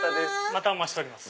またお待ちしております。